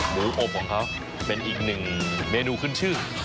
หมูอบของเขาเป็นอีกหนึ่งเมนูขึ้นชื่อ